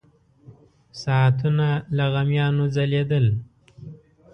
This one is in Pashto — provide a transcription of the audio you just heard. ساعتونه له غمیانو ځلېدل.